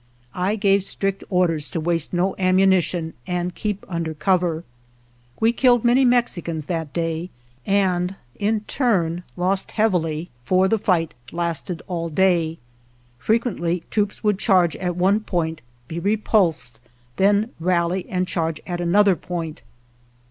I gave strict orders to waste no ammunition and keep under cover. We killed many Mexicans that day and in turn lost heavily, for the fight lasted all day. Frequently troops would charge at one point, be repulsed, then rally and charge at another point.